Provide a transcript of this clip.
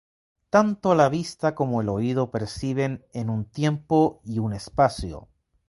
Tanto la vista como el oído perciben en un tiempo y un espacio.